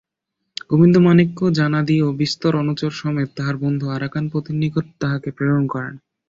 গোবিন্দমাণিক্য যানাদি ও বিস্তর অনুচর-সমেত তাঁহার বন্ধু আরাকান-পতির নিকটে তাঁহাকে প্রেরণ করেন।